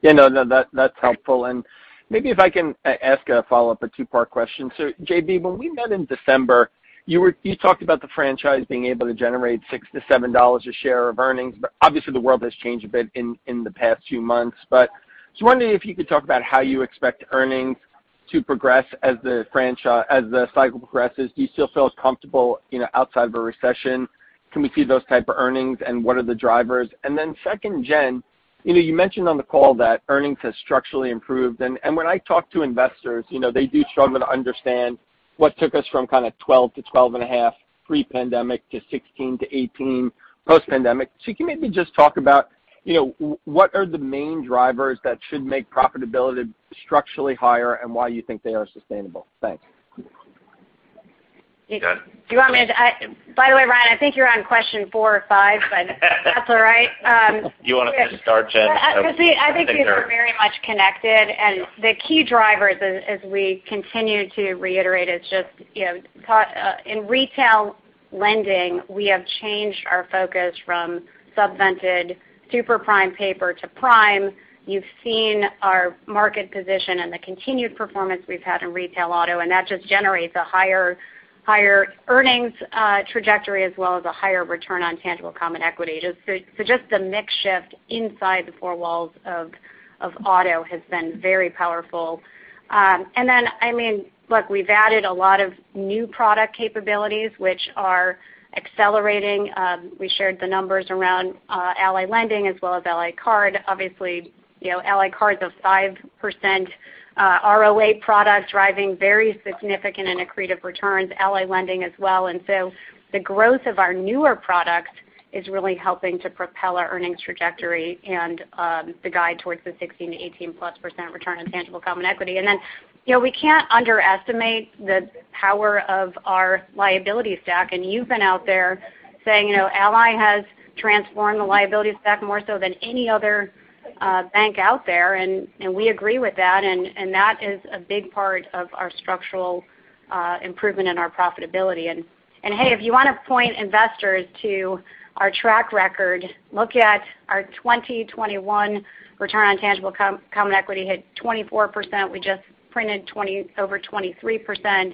Yeah, no, that's helpful. Maybe if I can ask a follow-up, a two-part question. JB, when we met in December, you talked about the franchise being able to generate $6-$7 a share of earnings. Obviously the world has changed a bit in the past few months. Just wondering if you could talk about how you expect earnings to progress as the cycle progresses. Do you still feel as comfortable, you know, outside of a recession? Can we see those type of earnings, and what are the drivers? Then second, Jen, you know, you mentioned on the call that earnings has structurally improved. When I talk to investors, you know, they do struggle to understand what took us from kind of $12-$12.5 pre-pandemic to $16-$18 post-pandemic. Can you maybe just talk about, you know, what are the main drivers that should make profitability structurally higher and why you think they are sustainable? Thanks. By the way, Ryan, I think you're on question four or five, but that's all right. You want to just start, Jen? Because see, I think these are very much connected. The key drivers as we continue to reiterate is just, you know, in retail lending, we have changed our focus from subvented super-prime paper to prime. You've seen our market position and the continued performance we've had in retail auto, and that just generates a higher earnings trajectory as well as a higher return on tangible common equity. Just the mix shift inside the four walls of auto has been very powerful. And then, I mean, look, we've added a lot of new product capabilities which are accelerating. We shared the numbers around Ally Lending as well as Ally Card. Obviously, you know, Ally Card is a 5% ROA product driving very significant and accretive returns, Ally Lending as well. The growth of our newer products is really helping to propel our earnings trajectory and the guide towards the 16%-18%+ return on tangible common equity. You know, we can't underestimate the power of our liability stack, and you've been out there saying, you know, Ally has transformed the liability stack more so than any other bank out there. We agree with that, and that is a big part of our structural improvement in our profitability. Hey, if you want to point investors to our track record, look at our 2021 return on tangible common equity hit 24%. We just printed over 23%.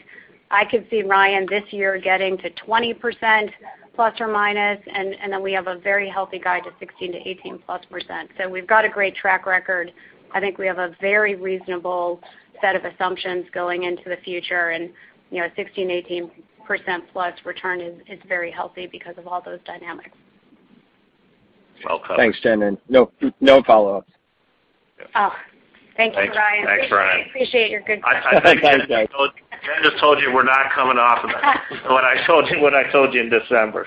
I could see, Ryan, this year getting to ±20%, and then we have a very healthy guide to 16%-18%+. We've got a great track record. I think we have a very reasonable set of assumptions going into the future. You know, 16%-18%+ return is very healthy because of all those dynamics. Well said. Thanks, Jen, and no follow-ups. Oh. Thank you, Ryan. Thanks, Ryan. Appreciate your good questions. Thanks, guys. Jen just told you we're not coming off of that, what I told you in December.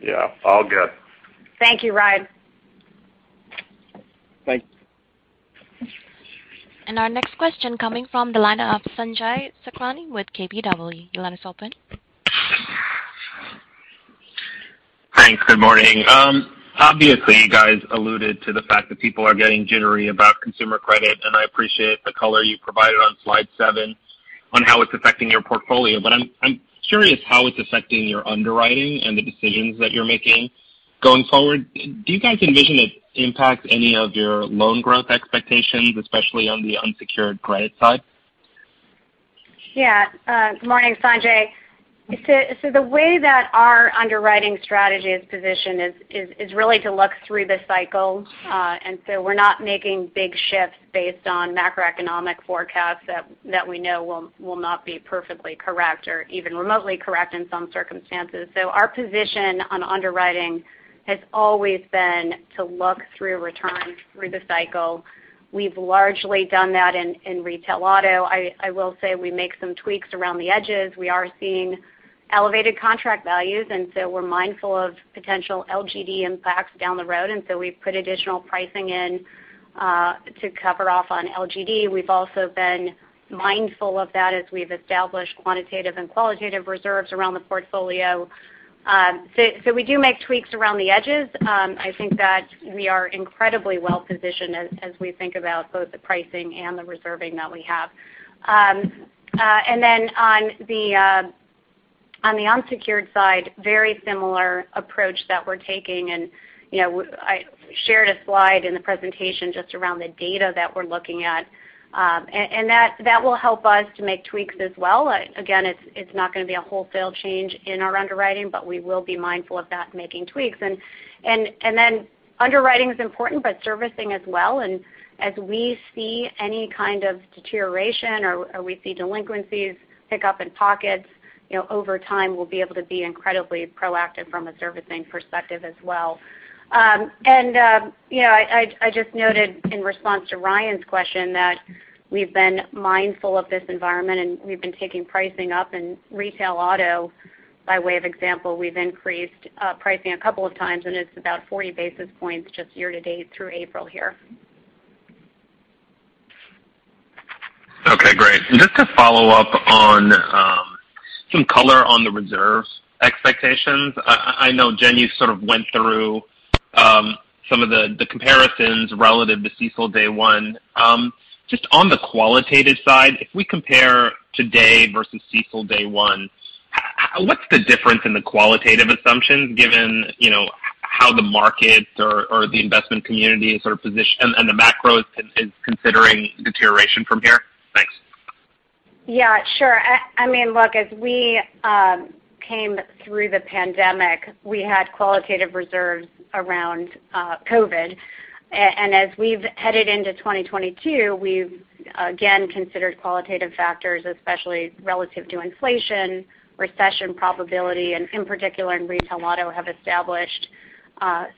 Yeah, all good. Thank you, Ryan. Thank you. Our next question coming from the line of Sanjay Sakhrani with KBW. Your line is open. Thanks. Good morning. Obviously, you guys alluded to the fact that people are getting jittery about consumer credit, and I appreciate the color you provided on slide seven on how it's affecting your portfolio. I'm curious how it's affecting your underwriting and the decisions that you're making going forward. Do you guys envision it impacts any of your loan growth expectations, especially on the unsecured credit side? Yeah. Good morning, Sanjay. The way that our underwriting strategy is positioned is really to look through the cycle. We're not making big shifts based on macroeconomic forecasts that we know will not be perfectly correct or even remotely correct in some circumstances. Our position on underwriting has always been to look through the cycle. We've largely done that in retail auto. I will say we make some tweaks around the edges. We are seeing elevated contract values, and we're mindful of potential LGD impacts down the road. We've put additional pricing in to cover off on LGD. We've also been mindful of that as we've established quantitative and qualitative reserves around the portfolio. We do make tweaks around the edges. I think that we are incredibly well positioned as we think about both the pricing and the reserving that we have. Then on the unsecured side, very similar approach that we're taking. You know, I shared a slide in the presentation just around the data that we're looking at. That will help us to make tweaks as well. Again, it's not going to be a wholesale change in our underwriting, but we will be mindful of that making tweaks. Underwriting is important, but servicing as well. As we see any kind of deterioration or we see delinquencies pick up in pockets, you know, over time, we'll be able to be incredibly proactive from a servicing perspective as well. You know, I just noted in response to Ryan's question that we've been mindful of this environment, and we've been taking pricing up in retail auto by way of example. We've increased pricing a couple of times, and it's about 40 basis points just year to date through April here. Okay, great. Just to follow up on some color on the reserves expectations. I know, Jen, you sort of went through some of the comparisons relative to CECL day one. Just on the qualitative side, if we compare today versus CECL day one, how, what's the difference in the qualitative assumptions given, you know, how the market or the investment community is sort of positioned and the macro is considering deterioration from here? Thanks. Yeah, sure. I mean, look, as we came through the pandemic, we had qualitative reserves around COVID. As we've headed into 2022, we've again considered qualitative factors, especially relative to inflation, recession probability, and in particular, in retail auto have established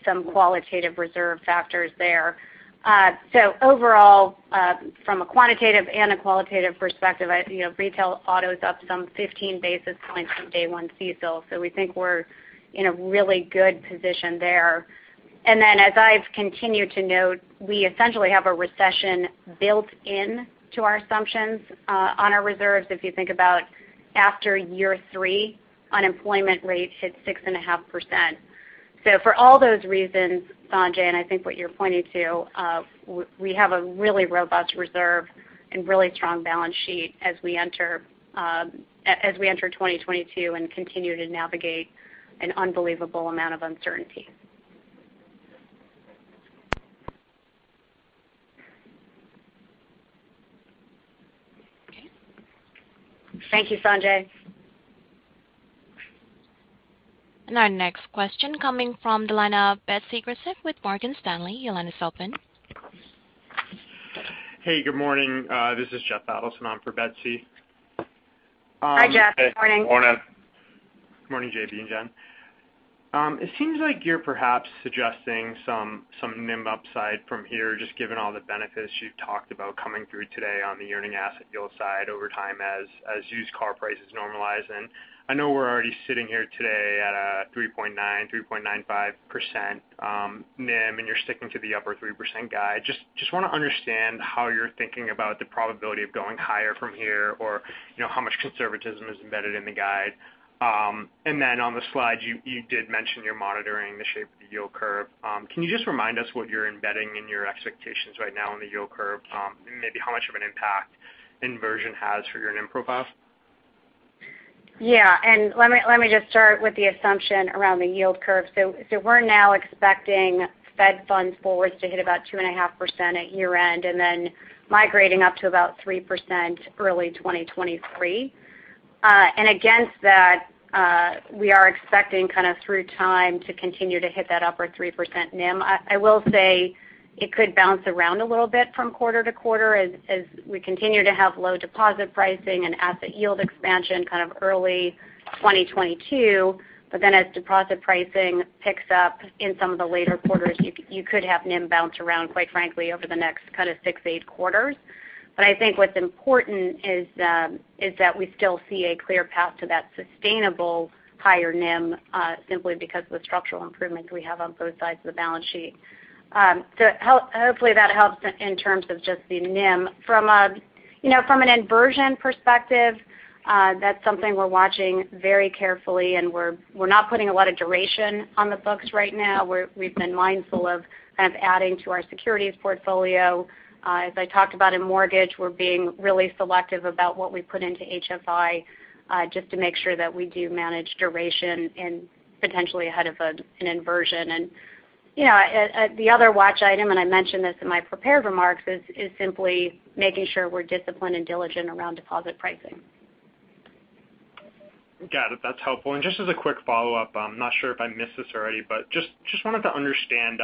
some qualitative reserve factors there. Overall, from a quantitative and a qualitative perspective, you know, retail auto's up some 15 basis points from day one CECL, so we think we're in a really good position there. As I've continued to note, we essentially have a recession built in to our assumptions on our reserves. If you think about after year three, unemployment rate hits 6.5%. For all those reasons, Sanjay, and I think what you're pointing to, we have a really robust reserve and really strong balance sheet as we enter 2022 and continue to navigate an unbelievable amount of uncertainty. Okay. Thank you, Sanjay. Our next question coming from the line of Betsy Graseck with Morgan Stanley. Your line is open. Hey, good morning. This is Jeff Adelson on for Betsy. Hi, Jeff. Good morning. Hey. Morning. Good morning, JB and Jen. It seems like you're perhaps suggesting some NIM upside from here, just given all the benefits you've talked about coming through today on the earning asset yield side over time as used car prices normalize. I know we're already sitting here today at a 3.95% NIM, and you're sticking to the upper 3% guide. Just wanna understand how you're thinking about the probability of going higher from here, or you know, how much conservatism is embedded in the guide. On the slide, you did mention you're monitoring the shape of the yield curve. Can you just remind us what you're embedding in your expectations right now on the yield curve, and maybe how much of an impact inversion has for your NIM profile? Let me just start with the assumption around the yield curve. We're now expecting Fed funds forwards to hit about 2.5% at year end, and then migrating up to about 3% early 2023. Against that, we are expecting kind of through time to continue to hit that upper 3% NIM. I will say it could bounce around a little bit from quarter to quarter as we continue to have low deposit pricing and asset yield expansion kind of early 2022. Then as deposit pricing picks up in some of the later quarters, you could have NIM bounce around, quite frankly, over the next kind of 6-8 quarters. I think what's important is that we still see a clear path to that sustainable higher NIM, simply because of the structural improvements we have on both sides of the balance sheet. Hopefully, that helps in terms of just the NIM. You know, from an inversion perspective, that's something we're watching very carefully, and we're not putting a lot of duration on the books right now. We've been mindful of kind of adding to our securities portfolio. As I talked about in mortgage, we're being really selective about what we put into HFI, just to make sure that we do manage duration and potentially ahead of an inversion. You know, the other watch item, and I mentioned this in my prepared remarks, is simply making sure we're disciplined and diligent around deposit pricing. Got it. That's helpful. Just as a quick follow-up, I'm not sure if I missed this already, but just wanted to understand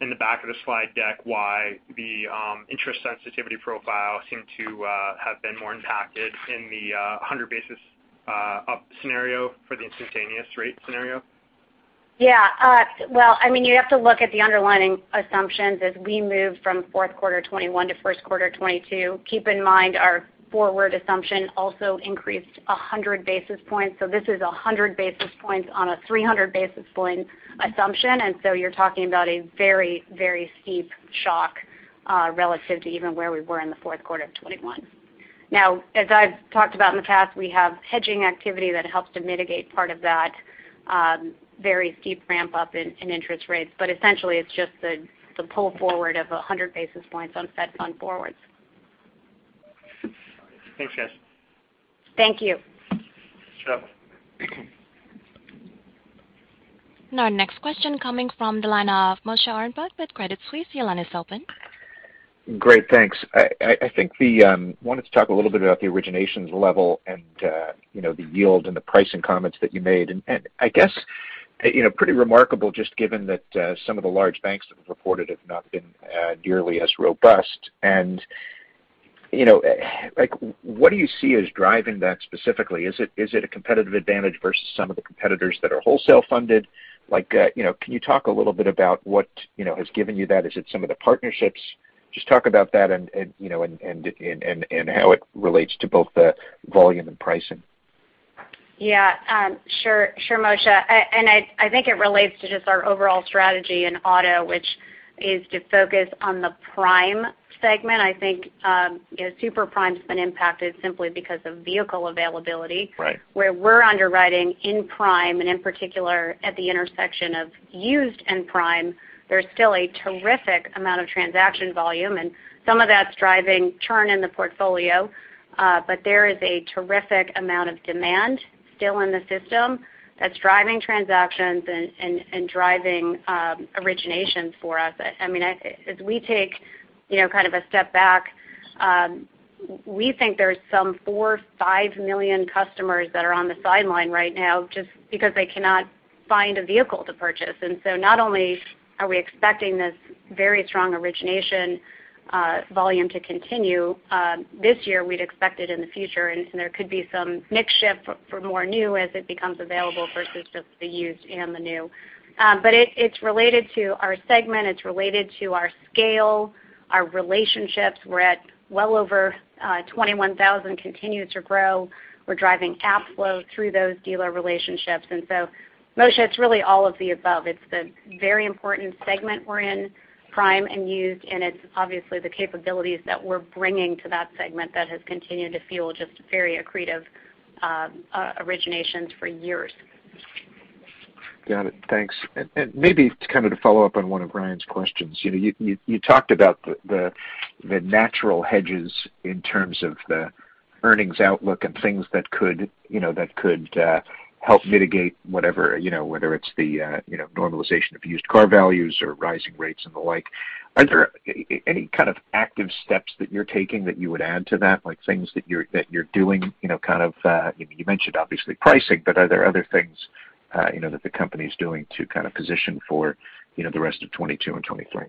in the back of the slide deck why the interest sensitivity profile seemed to have been more impacted in the 100 basis up scenario for the instantaneous rate scenario? Yeah. Well, I mean, you have to look at the underlying assumptions as we move from fourth quarter 2021 to first quarter 2022. Keep in mind our forward assumption also increased 100 basis points, so this is 100 basis points on a 300 basis point assumption. You're talking about a very, very steep shock relative to even where we were in the fourth quarter of 2021. Now, as I've talked about in the past, we have hedging activity that helps to mitigate part of that very steep ramp up in interest rates. Essentially, it's just the pull forward of 100 basis points on Fed fund forwards. Thanks, guys. Thank you. Our next question coming from the line of Moshe Orenbuch with Credit Suisse. Your line is open. Great. Thanks. I think I wanted to talk a little bit about the originations level and, you know, the yield and the pricing comments that you made. I guess, you know, pretty remarkable just given that some of the large banks that have reported have not been nearly as robust. You know, like, what do you see as driving that specifically? Is it a competitive advantage versus some of the competitors that are wholesale funded? You know, can you talk a little bit about what, you know, has given you that? Is it some of the partnerships? Just talk about that and, you know, how it relates to both the volume and pricing. Yeah. Sure, Moshe. I think it relates to just our overall strategy in auto, which is to focus on the prime segment. I think you know, super prime's been impacted simply because of vehicle availability. Right. Where we're underwriting in prime, and in particular at the intersection of used and prime, there's still a terrific amount of transaction volume. Some of that's driving churn in the portfolio, but there is a terrific amount of demand still in the system that's driving transactions and driving originations for us. I mean, as we take, you know, kind of a step back, we think there's some 4-5 million customers that are on the sideline right now just because they cannot find a vehicle to purchase. Not only are we expecting this very strong origination volume to continue this year, we'd expect it in the future, and there could be some mix shift for more new as it becomes available versus just the used and the new. It's related to our segment. It's related to our scale, our relationships. We're at well over 21,000, continue to grow. We're driving app flow through those dealer relationships. Moshe, it's really all of the above. It's the very important segment we're in, prime and used, and it's obviously the capabilities that we're bringing to that segment that has continued to fuel just very accretive originations for years. Got it. Thanks. Maybe to kind of follow up on one of Brian's questions. You know, you talked about the natural hedges in terms of the earnings outlook and things that could, you know, help mitigate whatever, you know, whether it's the normalization of used car values or rising rates and the like. Are there any kind of active steps that you're taking that you would add to that? Like things that you're doing, you know, kind of, you mentioned obviously pricing, but are there other things, you know, that the company's doing to kind of position for, you know, the rest of 2022 and 2023?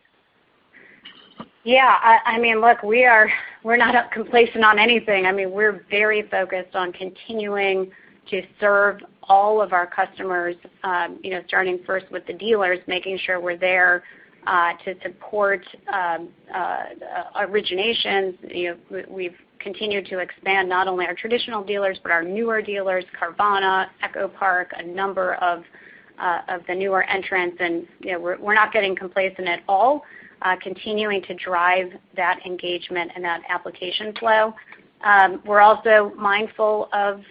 Yeah. I mean, look, we're not at all complacent on anything. I mean, we're very focused on continuing to serve all of our customers, you know, starting first with the dealers, making sure we're there to support originations. You know, we've continued to expand not only our traditional dealers, but our newer dealers, Carvana, EchoPark, a number of the newer entrants. You know, we're not getting complacent at all, continuing to drive that engagement and that application flow. We're also mindful of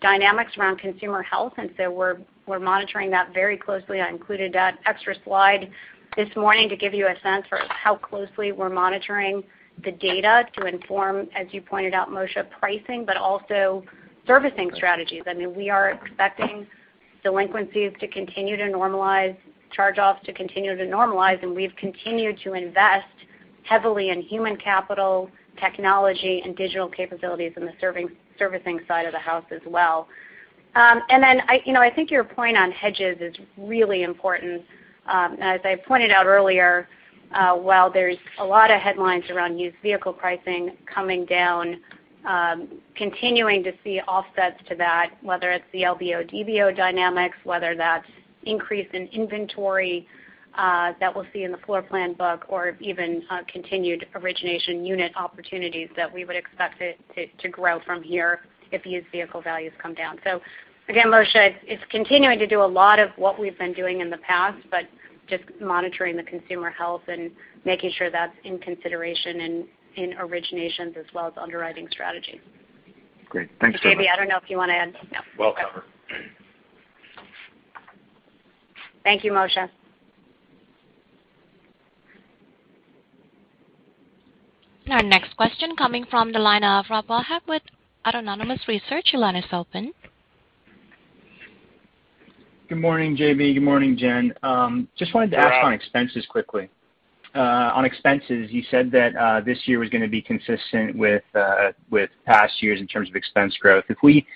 dynamics around consumer health, and so we're monitoring that very closely. I included that extra slide this morning to give you a sense for how closely we're monitoring the data to inform, as you pointed out, Moshe, pricing but also servicing strategies. I mean, we are expecting delinquencies to continue to normalize, charge-offs to continue to normalize, and we've continued to invest heavily in human capital, technology, and digital capabilities in the servicing side of the house as well. You know, I think your point on hedges is really important. As I pointed out earlier, while there's a lot of headlines around used vehicle pricing coming down, continuing to see offsets to that, whether it's the LBO, DBO dynamics, whether that's an increase in inventory that we'll see in the floor plan book or even continued origination unit opportunities that we would expect it to grow from here if used vehicle values come down. Again, Moshe, it's continuing to do a lot of what we've been doing in the past, but just monitoring the consumer health and making sure that's in consideration in originations as well as underwriting strategy. Great. Thanks so much. JB, I don't know if you wanna add. No. Well covered. Thank you, Moshe. Our next question coming from the line of Rob Wildhack with Autonomous Research. Your line is open. Good morning, JB. Good morning, Jen. Just wanted to ask. Hi, Rob. On expenses quickly. On expenses, you said that this year was gonna be consistent with past years in terms of expense growth. If we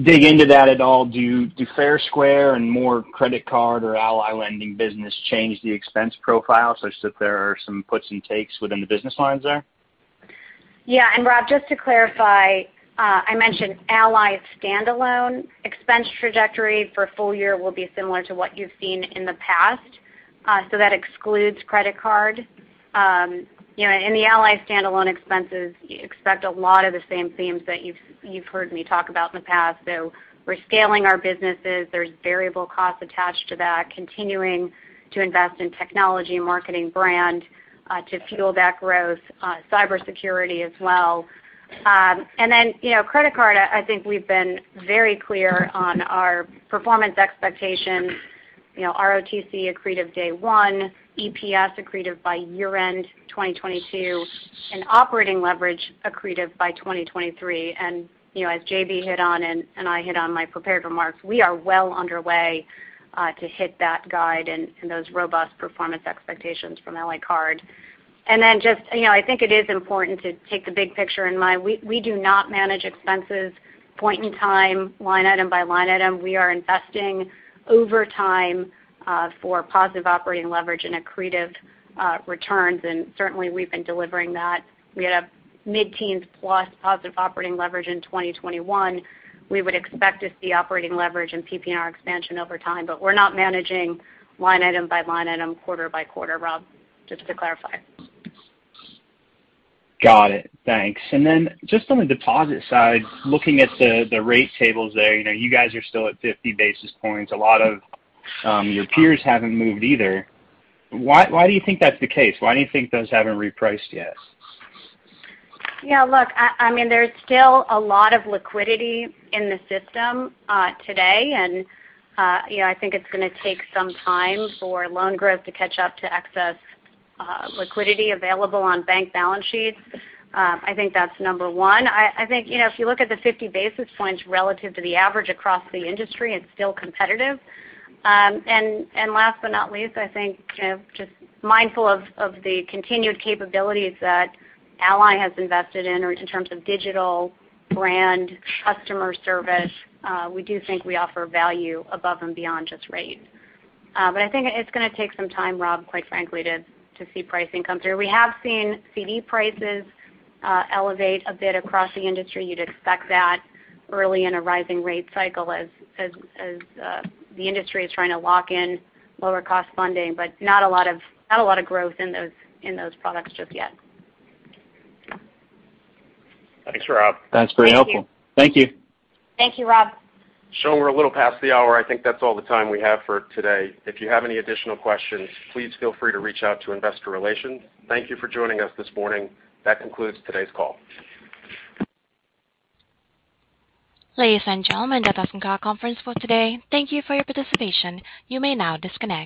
dig into that at all, do Fair Square and more credit card or Ally Lending business change the expense profile such that there are some puts and takes within the business lines there? Rob, just to clarify, I mentioned Ally standalone expense trajectory for full-year will be similar to what you've seen in the past. That excludes credit card. You know, in the Ally standalone expenses, you expect a lot of the same themes that you've heard me talk about in the past. We're scaling our businesses. There's variable costs attached to that, continuing to invest in technology and marketing brand to fuel that growth, cybersecurity as well. You know, credit card, I think we've been very clear on our performance expectations. ROTCE accretive day one, EPS accretive by year-end 2022, and operating leverage accretive by 2023. You know, as JB hit on and I hit on my prepared remarks, we are well underway to hit that guide and those robust performance expectations from Ally Card. Then just, you know, I think it is important to take the big picture in mind. We do not manage expenses point in time, line item by line item. We are investing over time for positive operating leverage and accretive returns, and certainly we've been delivering that. We had a mid-teens plus positive operating leverage in 2021. We would expect to see operating leverage and PPNR expansion over time, but we're not managing line item by line item, quarter by quarter, Rob, just to clarify. Got it. Thanks. Then just on the deposit side, looking at the rate tables there, you know, you guys are still at 50 basis points. A lot of your peers haven't moved either. Why do you think that's the case? Why do you think those haven't repriced yet? Yeah, look, I mean, there's still a lot of liquidity in the system today. You know, I think it's gonna take some time for loan growth to catch up to excess liquidity available on bank balance sheets. I think that's number one. I think, you know, if you look at the 50 basis points relative to the average across the industry, it's still competitive. Last but not least, I think, you know, just mindful of the continued capabilities that Ally has invested in in terms of digital, brand, customer service, we do think we offer value above and beyond just rate. I think it's gonna take some time, Rob, quite frankly, to see pricing come through. We have seen CD prices elevate a bit across the industry. You'd expect that early in a rising rate cycle as the industry is trying to lock in lower cost funding. Not a lot of growth in those products just yet. Thanks, Rob. That's very helpful. Thank you. Thank you. Thank you, Rob. Sean, we're a little past the hour. I think that's all the time we have for today. If you have any additional questions, please feel free to reach out to Investor Relations. Thank you for joining us this morning. That concludes today's call. Ladies and gentlemen, that does end our conference for today. Thank you for your participation. You may now disconnect.